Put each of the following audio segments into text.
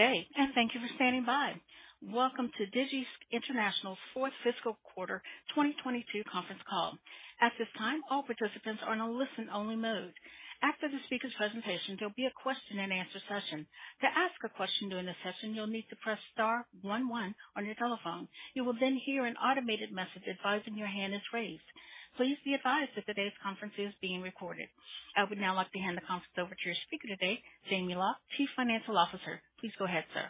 Good day, and thank you for standing by. Welcome to Digi International's Fourth Fiscal Quarter 2022 Conference Call. At this time, all participants are in a listen-only mode. After the speaker's presentation, there'll be a question and answer session. To ask a question during the session, you'll need to press star one one on your telephone. You will then hear an automated message advising your hand is raised. Please be advised that today's conference is being recorded. I would now like to hand the conference over to your speaker today, Jamie Loch, Chief Financial Officer. Please go ahead, sir.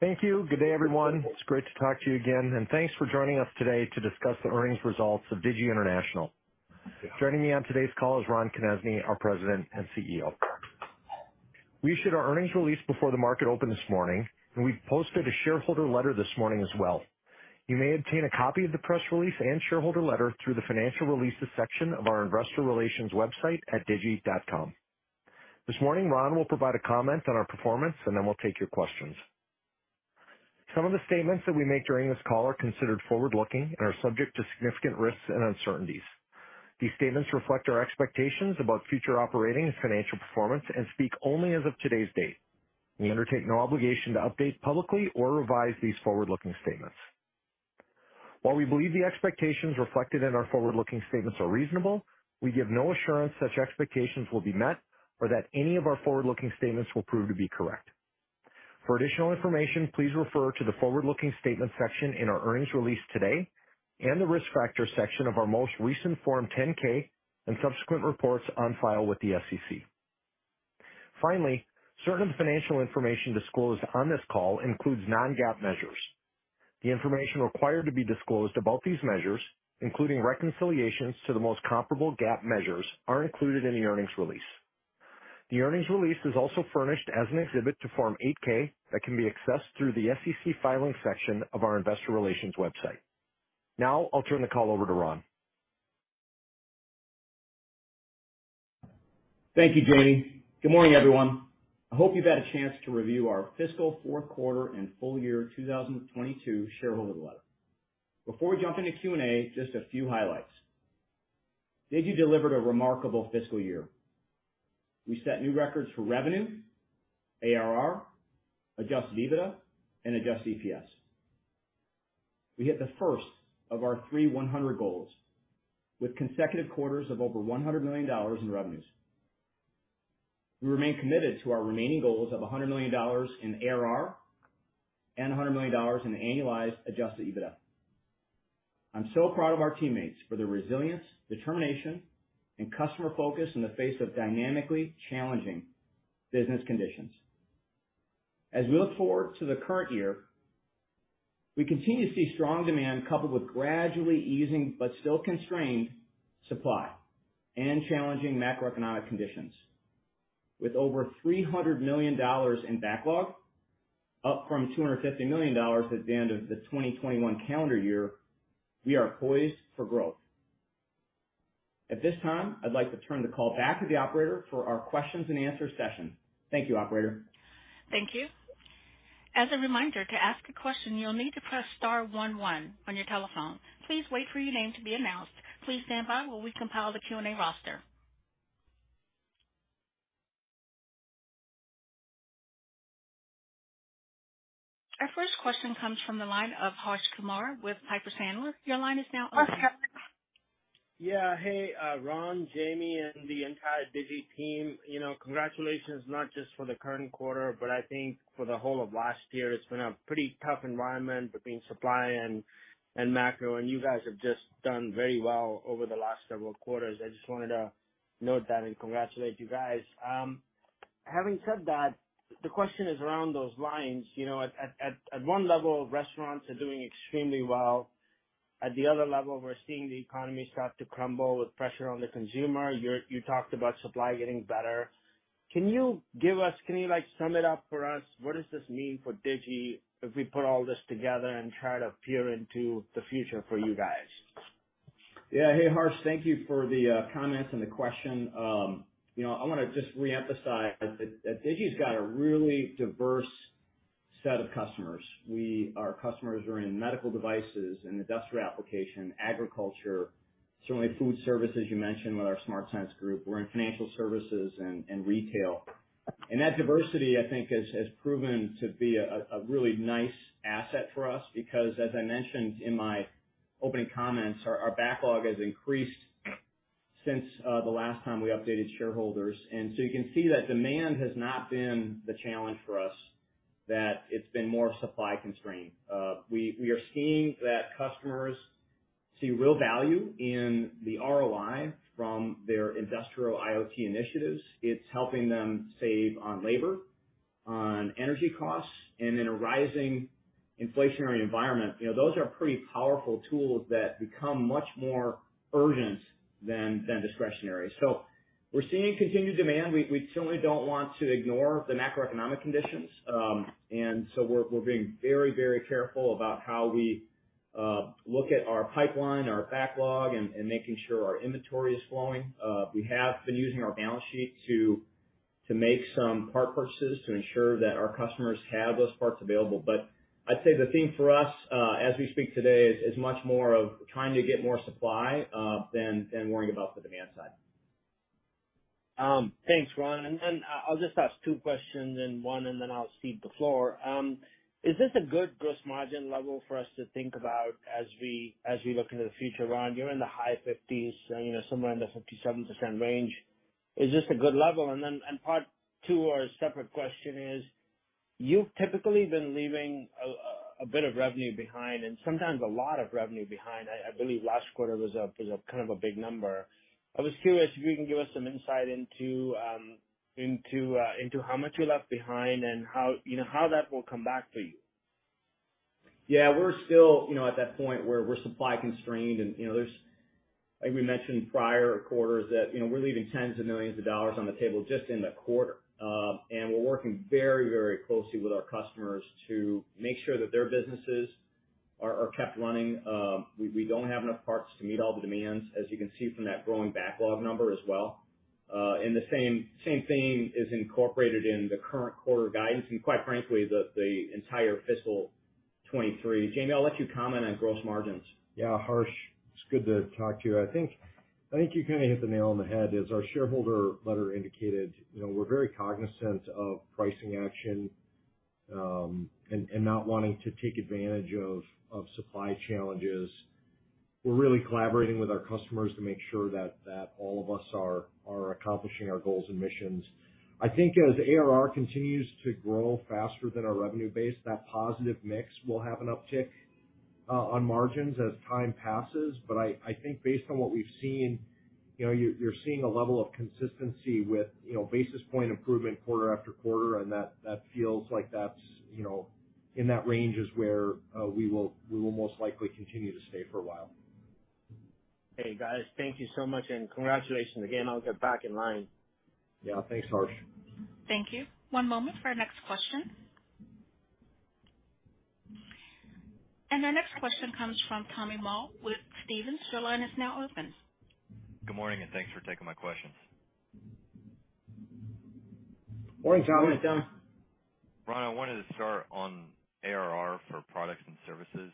Thank you. Good day, everyone. It's great to talk to you again, and thanks for joining us today to discuss the earnings results of Digi International. Joining me on today's call is Ron Konezny, our President and CEO. We issued our earnings release before the market opened this morning, and we posted a shareholder letter this morning as well. You may obtain a copy of the press release and shareholder letter through the Financial Releases section of our investor relations website at digi.com. This morning, Ron will provide a comment on our performance, and then we'll take your questions. Some of the statements that we make during this call are considered forward-looking and are subject to significant risks and uncertainties. These statements reflect our expectations about future operating and financial performance and speak only as of today's date. We undertake no obligation to update publicly or revise these forward-looking statements. While we believe the expectations reflected in our forward-looking statements are reasonable, we give no assurance such expectations will be met or that any of our forward-looking statements will prove to be correct. For additional information, please refer to the Forward-Looking Statements section in our earnings release today and the Risk Factors section of our most recent Form 10-K and subsequent reports on file with the SEC. Finally, certain financial information disclosed on this call includes non-GAAP measures. The information required to be disclosed about these measures, including reconciliations to the most comparable GAAP measures, aren't included in the earnings release. The earnings release is also furnished as an exhibit to Form 8-K that can be accessed through the SEC Filings section of our investor relations website. Now, I'll turn the call over to Ron. Thank you, Jamie. Good morning, everyone. I hope you've had a chance to review our fiscal Q4 and full year 2022 shareholder letter. Before we jump into Q&A, just a few highlights. Digi delivered a remarkable fiscal year. We set new records for revenue, ARR, Adjusted EBITDA, and adjusted EPS. We hit the first of our three $100 million goals with consecutive quarters of over $100 million in revenues. We remain committed to our remaining goals of $100 million in ARR and $100 million in annualized Adjusted EBITDA. I'm so proud of our teammates for their resilience, determination, and customer focus in the face of dynamically challenging business conditions. As we look forward to the current year, we continue to see strong demand coupled with gradually easing but still constrained supply and challenging macroeconomic conditions. With over $300 million in backlog, up from $250 million at the end of the 2021 calendar year, we are poised for growth. At this time, I'd like to turn the call back to the operator for our questions and answer session. Thank you, operator. Thank you. As a reminder, to ask a question, you'll need to press star one one on your telephone. Please wait for your name to be announced. Please stand by while we compile the Q&A roster. Our first question comes from the line of Harsh Kumar with Piper Sandler. Your line is now open. Yeah. Hey, Ron, Jamie, and the entire Digi team. You know, congratulations, not just for the current quarter, but I think for the whole of last year. It's been a pretty tough environment between supply and macro, and you guys have just done very well over the last several quarters. I just wanted to note that and congratulate you guys. Having said that, the question is around those lines. You know, at one level, restaurants are doing extremely well. At the other level, we're seeing the economy start to crumble with pressure on the consumer. You talked about supply getting better. Can you, like, sum it up for us? What does this mean for Digi if we put all this together and try to peer into the future for you guys? Yeah. Hey, Harsh. Thank you for the comments and the question. You know, I wanna just reemphasize that Digi's got a really diverse set of customers. Our customers are in medical devices, in industrial application, agriculture, certainly food services, you mentioned with our SmartSense group. We're in financial services and retail. That diversity, I think, has proven to be a really nice asset for us because as I mentioned in my opening comments, our backlog has increased since the last time we updated shareholders. You can see that demand has not been the challenge for us, that it's been more of supply constraint. We are seeing that customers see real value in the ROI from their industrial IoT initiatives. It's helping them save on labor, on energy costs, and in a rising inflationary environment. You know, those are pretty powerful tools that become much more urgent than discretionary. We're seeing continued demand. We certainly don't want to ignore the macroeconomic conditions. We're being very careful about how we look at our pipeline, our backlog, and making sure our inventory is flowing. We have been using our balance sheet to make some part purchases to ensure that our customers have those parts available. I'd say the theme for us, as we speak today, is much more of trying to get more supply than worrying about the demand side. Thanks, Ron, and then I'll just ask two questions and one, and then I'll cede the floor. Is this a good gross margin level for us to think about as we look into the future, Ron? You're in the high fifties, you know, somewhere in the 57% range. Is this a good level? Part two or a separate question is, you've typically been leaving a bit of revenue behind and sometimes a lot of revenue behind. I believe last quarter was a kind of a big number. I was curious if you can give us some insight into into how much you left behind and how, you know, how that will come back to you. Yeah. We're still, you know, at that point where we're supply constrained and, you know, there's. Like we mentioned prior quarters that, you know, we're leaving tens of millions of dollars on the table just in the quarter. We're working very, very closely with our customers to make sure that their businesses are kept running. We don't have enough parts to meet all the demands, as you can see from that growing backlog number as well. The same theme is incorporated in the current quarter guidance and quite frankly, the entire fiscal 2023. Jamie, I'll let you comment on gross margins. Yeah, Harsh, it's good to talk to you. I think you kind of hit the nail on the head. As our shareholder letter indicated, you know, we're very cognizant of pricing action and not wanting to take advantage of supply challenges. We're really collaborating with our customers to make sure that all of us are accomplishing our goals and missions. I think as ARR continues to grow faster than our revenue base, that positive mix will have an uptick on margins as time passes. I think based on what we've seen, you know, you're seeing a level of consistency with basis point improvement quarter after quarter, and that feels like that's in that range where we will most likely continue to stay for a while. Okay, guys. Thank you so much, and congratulations again. I'll get back in line. Yeah. Thanks, Harsh. Thank you. One moment for our next question. Our next question comes from Tommy Moll with Stephens. Your line is now open. Good morning, and thanks for taking my questions. Morning, Tommy. Morning, Tom. Ron, I wanted to start on ARR for products and services.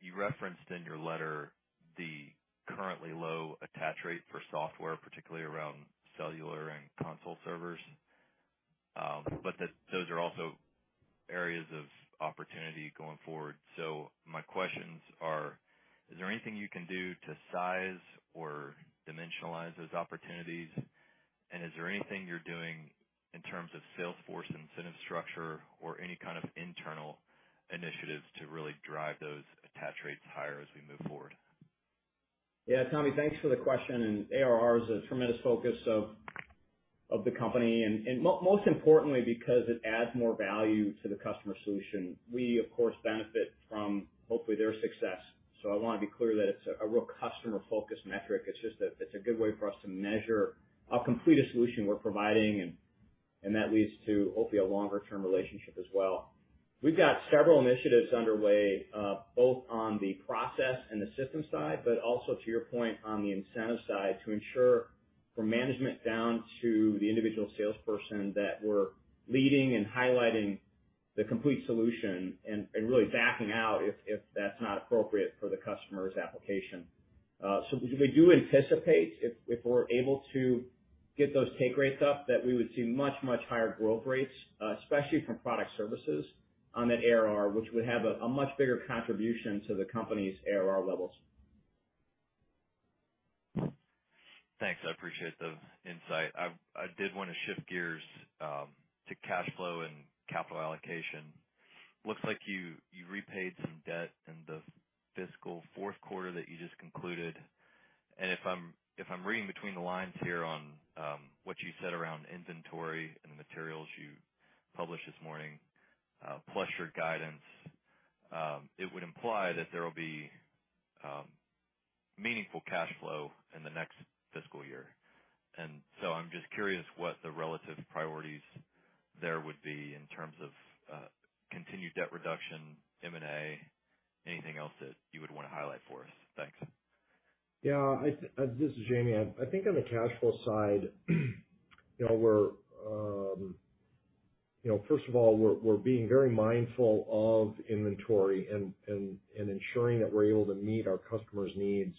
You referenced in your letter the currently low attach rate for software, particularly around cellular and console servers, but those are also areas of opportunity going forward. My questions are, is there anything you can do to size or dimensionalize those opportunities? And is there anything you're doing in terms of sales force incentive structure or any kind of internal initiatives to really drive those attach rates higher as we move forward? Yeah, Tommy, thanks for the question. ARR is a tremendous focus of the company and most importantly because it adds more value to the customer solution. We, of course, benefit from hopefully their success. I wanna be clear that it's a real customer-focused metric. It's just that it's a good way for us to measure how complete a solution we're providing and that leads to hopefully a longer-term relationship as well. We've got several initiatives underway, both on the process and the system side, but also to your point on the incentive side to ensure from management down to the individual salesperson that we're leading and highlighting the complete solution and really backing out if that's not appropriate for the customer's application. We do anticipate if we're able to get those take rates up, that we would see much higher growth rates, especially from product services on that ARR, which would have a much bigger contribution to the company's ARR levels. Thanks. I appreciate the insight. I did wanna shift gears to cash flow and capital allocation. Looks like you repaid some debt in the fiscal Q4 that you just concluded, and if I'm reading between the lines here on what you said around inventory and the materials you published this morning, plus your guidance, it would imply that there will be meaningful cash flow in the next fiscal year. I'm just curious what the relative priorities there would be in terms of continued debt reduction, M&A, anything else that you would wanna highlight for us. Thanks. This is Jamie. I think on the cash flow side, you know, we're, you know, first of all, we're being very mindful of inventory and ensuring that we're able to meet our customers' needs.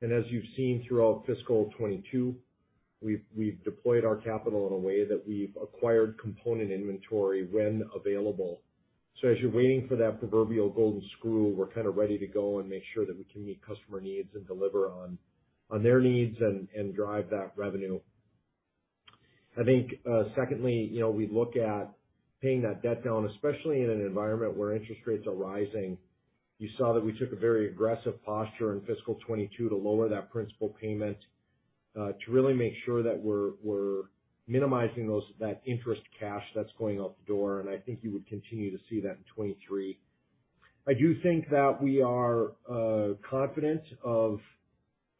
As you've seen throughout fiscal 2022, we've deployed our capital in a way that we've acquired component inventory when available. As you're waiting for that proverbial golden screw, we're kind of ready to go and make sure that we can meet customer needs and deliver on their needs and drive that revenue. I think, secondly, you know, we look at paying that debt down, especially in an environment where interest rates are rising. You saw that we took a very aggressive posture in fiscal 2022 to lower that principal payment, to really make sure that we're minimizing that interest cash that's going out the door, and I think you would continue to see that in 2023. I do think that we are confident of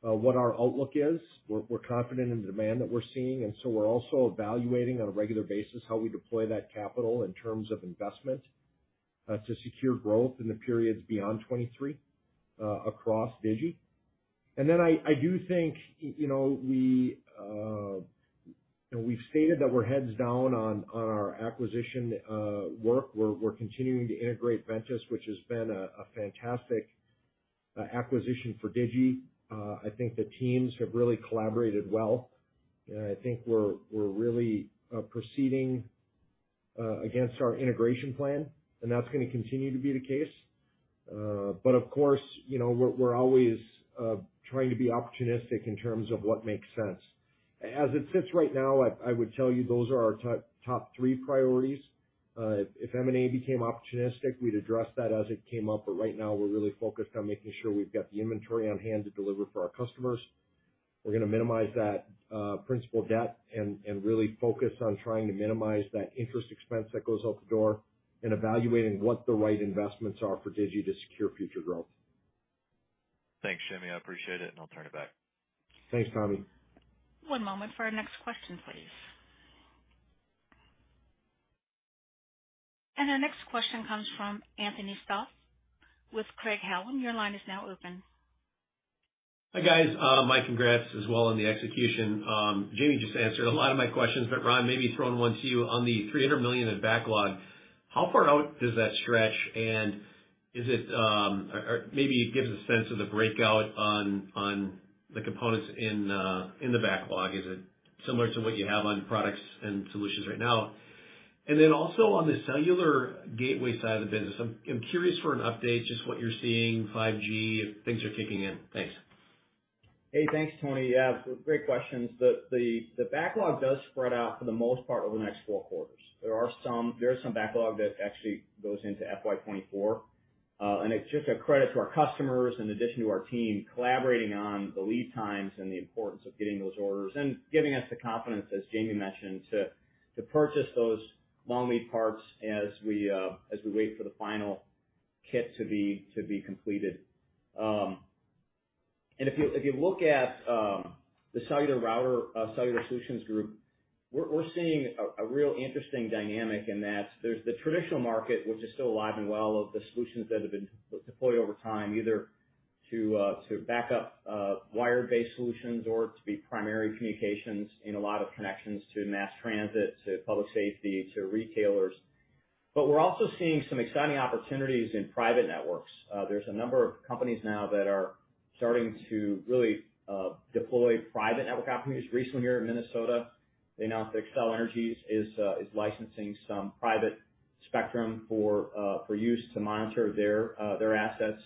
what our outlook is. We're confident in the demand that we're seeing, and so we're also evaluating on a regular basis how we deploy that capital in terms of investment. To secure growth in the periods beyond 2023, across Digi. I do think, you know, we've stated that we're heads down on our acquisition work. We're continuing to integrate Ventus, which has been a fantastic acquisition for Digi. I think the teams have really collaborated well. I think we're really proceeding against our integration plan, and that's gonna continue to be the case. Of course, you know, we're always trying to be opportunistic in terms of what makes sense. As it sits right now, I would tell you those are our top three priorities. If M&A became opportunistic, we'd address that as it came up. Right now, we're really focused on making sure we've got the inventory on-hand to deliver for our customers. We're gonna minimize that principal debt and really focus on trying to minimize that interest expense that goes out the door and evaluating what the right investments are for Digi to secure future growth. Thanks, Jamie. I appreciate it, and I'll turn it back. Thanks, Tommy. One moment for our next question, please. Our next question comes from Anthony Stoss with Craig-Hallum. Your line is now open. Hi, guys. My congrats as well on the execution. Jamie just answered a lot of my questions, but Ron, maybe throwing one to you on the $300 million in backlog. How far out does that stretch? And is it, maybe give us a sense of the breakout on the components in the backlog. Is it similar to what you have on products and solutions right now? And then also, on the cellular gateway side of the business, I'm curious for an update, just what you're seeing, 5G, if things are kicking in. Thanks. Hey, thanks, Tony. Yeah, great questions. The backlog does spread out for the most part over the next four quarters. There is some backlog that actually goes into FY 2024. It's just a credit to our customers in addition to our team collaborating on the lead times and the importance of getting those orders and giving us the confidence, as Jamie mentioned, to purchase those long lead parts as we wait for the final kit to be completed. If you look at the cellular router cellular solutions group, we're seeing a real interesting dynamic in that there's the traditional market, which is still alive and well of the solutions that have been deployed over time, either to back up wire-based solutions or to be primary communications in a lot of connections to mass transit, to public safety, to retailers. We're also seeing some exciting opportunities in private networks. There's a number of companies now that are starting to really deploy private networks. Recently here in Minnesota, they announced Xcel Energy is licensing some private spectrum for use to monitor their assets.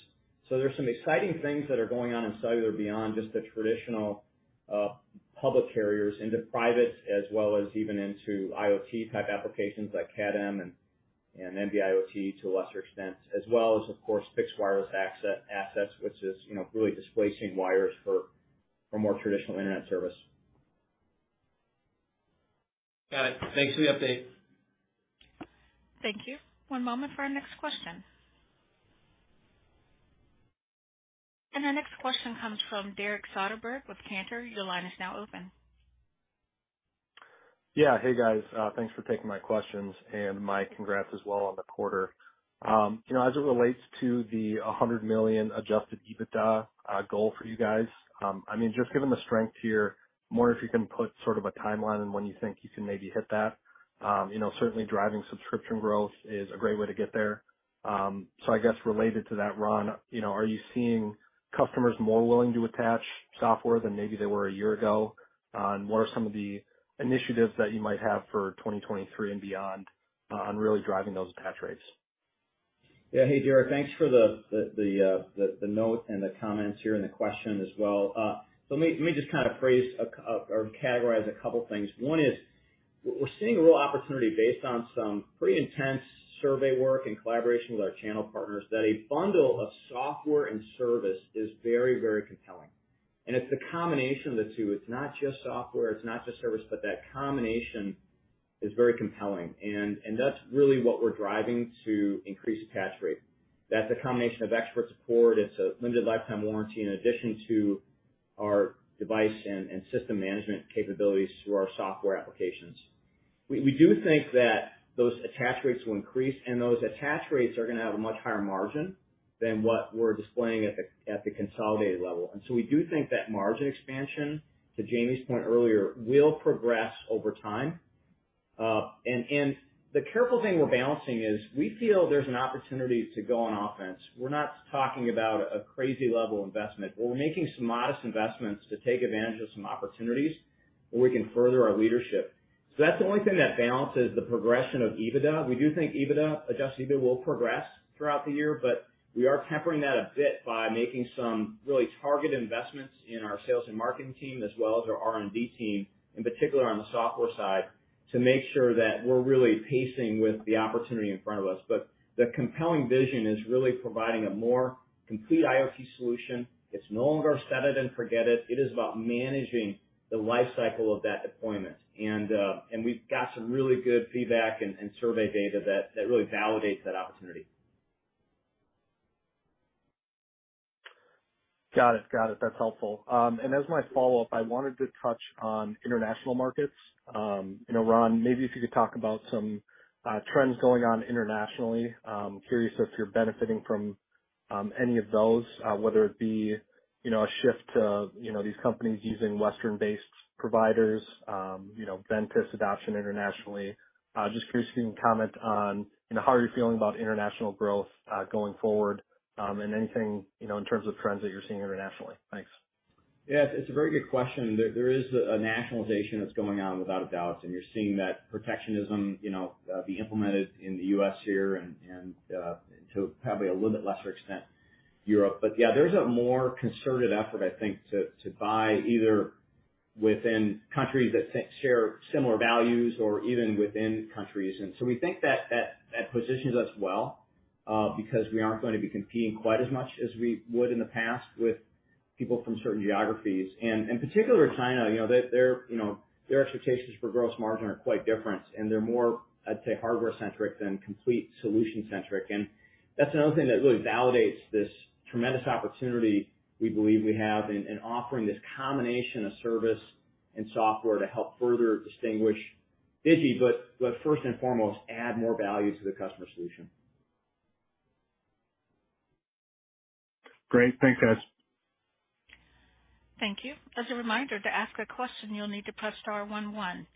There's some exciting things that are going on in cellular beyond just the traditional public carriers into private as well as even into IoT-type applications like Cat-M and NB-IoT to a lesser extent, as well as, of course, fixed wireless access, which is, you know, really displacing wires for more traditional internet service. Got it. Thanks for the update. Thank you. One moment for our next question. Our next question comes from Derek Soderberg with Cantor Fitzgerald. Your line is now open. Yeah. Hey, guys. Thanks for taking my questions, and my congrats as well on the quarter. You know, as it relates to the $100 million Adjusted EBITDA goal for you guys, I mean, just given the strength here, I'm wondering if you can put sort of a timeline on when you think you can maybe hit that. You know, certainly driving subscription growth is a great way to get there. I guess related to that, Ron, you know, are you seeing customers more willing to attach software than maybe they were a year ago? And what are some of the initiatives that you might have for 2023 and beyond, on really driving those attach rates? Yeah. Hey, Derek. Thanks for the note and the comments here and the question as well. Let me just kind of phrase or categorize a couple things. One is we're seeing a real opportunity based on some pretty intense survey work in collaboration with our channel partners that a bundle of software and service is very, very compelling. It's the combination of the two. It's not just software, it's not just service, but that combination is very compelling. That's really what we're driving to increase attach rate. That's a combination of expert support. It's a limited lifetime warranty in addition to our device and system management capabilities through our software applications. We do think that those attach rates will increase, and those attach rates are gonna have a much higher margin than what we're displaying at the consolidated level. We do think that margin expansion, to Jamie's point earlier, will progress over time. The careful thing we're balancing is we feel there's an opportunity to go on offense. We're not talking about a crazy level investment. We're making some modest investments to take advantage of some opportunities where we can further our leadership. That's the only thing that balances the progression of EBITDA. We do think EBITDA, Adjusted EBITDA, will progress throughout the year, but we are tempering that a bit by making some really targeted investments in our sales and marketing team as well as our R&D team, in particular on the software side, to make sure that we're really pacing with the opportunity in front of us. The compelling vision is really providing a more complete IoT solution. It's no longer set it and forget it. It is about managing the lifecycle of that deployment. We've got some really good feedback and survey data that really validates that opportunity. Got it. That's helpful. As my follow-up, I wanted to touch on international markets. You know, Ron, maybe if you could talk about some trends going on internationally. Curious if you're benefiting from any of those, whether it be you know, a shift to you know, these companies using Western-based providers, you know, Ventus adoption internationally. Just curious if you can comment on you know, how are you feeling about international growth going forward, and anything you know, in terms of trends that you're seeing internationally. Thanks. Yeah. It's a very good question. There is a nationalization that's going on, without a doubt, and you're seeing that protectionism, you know, be implemented in the U.S. here and to probably a little bit lesser extent Europe. Yeah, there's a more concerted effort, I think, to buy either within countries that share similar values or even within countries. We think that positions us well, because we aren't gonna be competing quite as much as we would in the past with people from certain geographies. And particularly with China, you know, their expectations for gross margin are quite different, and they're more, I'd say, hardware centric than complete solution centric. That's another thing that really validates this tremendous opportunity we believe we have in offering this combination of service and software to help further distinguish Digi, but first and foremost, add more value to the customer solution. Great. Thanks, guys. Thank you. As a reminder, to ask a question, you'll need to press star one one.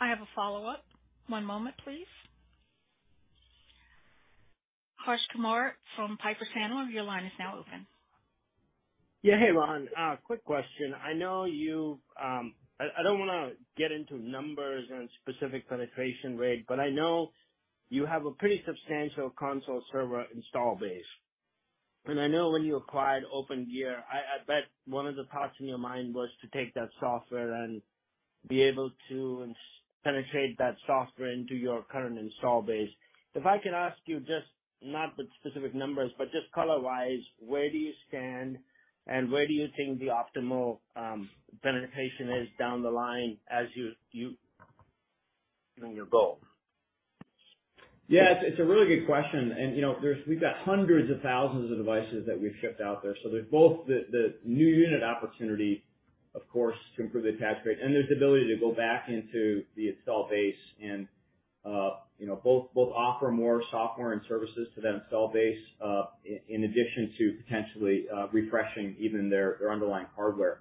I have a follow-up. One moment please. Harsh Kumar from Piper Sandler, your line is now open. Yeah. Hey, Ron, quick question. I know you. I don't wanna get into numbers and specific penetration rate, but I know you have a pretty substantial console server install base. I know when you acquired Opengear, I bet one of the thoughts in your mind was to take that software and be able to penetrate that software into your current install base. If I can ask you just, not the specific numbers, but just color-wise, where do you stand, and where do you think the optimal penetration is down the line as you in your goal? Yeah. It's a really good question. You know, we've got hundreds of thousands of devices that we've shipped out there, so there's both the new unit opportunity, of course, to improve the attach rate, and there's ability to go back into the install base and, you know, both offer more software and services to that install base, in addition to potentially, refreshing even their underlying hardware.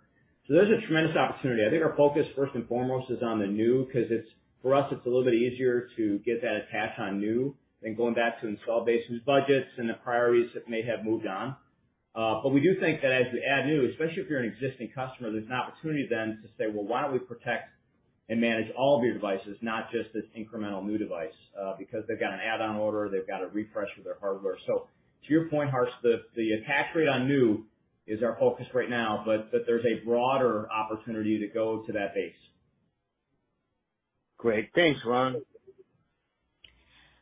There's a tremendous opportunity. I think our focus first and foremost is on the new 'cause it's for us, it's a little bit easier to get that attach on new than going back to the install base whose budgets and the priorities that may have moved on. We do think that as we add new, especially if you're an existing customer, there's an opportunity then to say, "Well, why don't we protect and manage all of your devices, not just this incremental new device?" Because they've got an add-on order, they've got a refresh of their hardware. To your point, Harsh, the attach rate on new is our focus right now, but there's a broader opportunity to go to that base. Great. Thanks, Ron.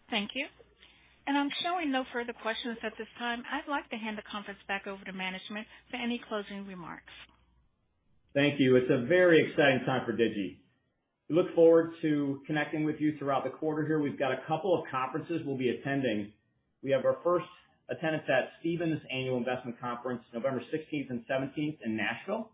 Thank you. I'm showing no further questions at this time. I'd like to hand the conference back over to management for any closing remarks. Thank you. It's a very exciting time for Digi. We look forward to connecting with you throughout the quarter here. We've got a couple of conferences we'll be attending. We have our first attendance at Stephens Annual Investment Conference, November 16th and 17th in Nashville.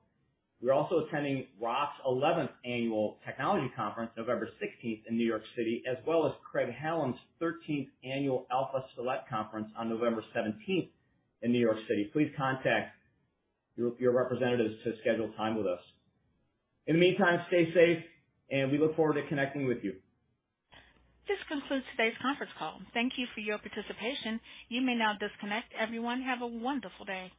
We're also attending ROTH's 11th Annual Technology Conference 16 November 2022 in New York City, as well as Craig-Hallum's 13th Annual Alpha Select Conference on 17 November 2022 in New York City. Please contact your representatives to schedule time with us. In the meantime, stay safe, and we look forward to connecting with you. This concludes today's conference call. Thank you for your participation. You may now disconnect. Everyone, have a wonderful day.